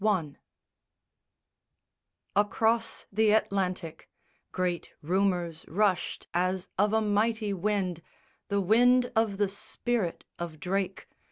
BOOK X Across the Atlantic Great rumours rushed as of a mighty wind, The wind of the spirit of Drake.